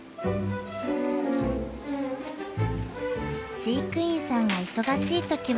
飼育員さんが忙しい時は。